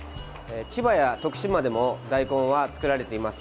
千葉や徳島でも大根は作られています。